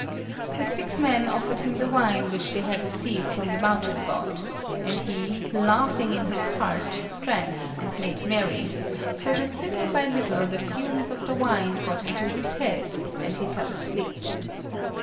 The six men offered him the wine which they had received from the mountain god, and he, laughing in his heart, drank and made merry, so that little by little the fumes of the wine got into his head, and he fell asleep.